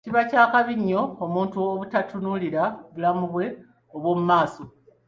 Kiba kya kabi nnyo omuntu obutatunuulira bulamu bwe obwo mumaaso.